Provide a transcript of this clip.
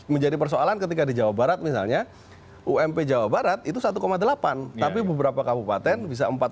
menjadi persoalan ketika di jawa barat misalnya ump jawa barat itu satu delapan tapi beberapa kabupaten bisa empat